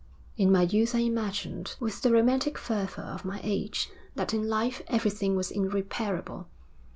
'In my youth I imagined, with the romantic fervour of my age, that in life everything was irreparable.